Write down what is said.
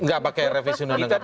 nggak pakai revisi undang undang kpk